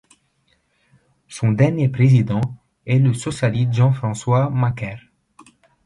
Son dernier président est le socialiste Jean-François Macaire.